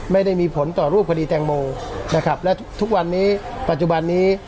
ไม่ได้มีผลต่อรูปคดีแตงโมนะครับและทุกวันนี้ปัจจุบันนี้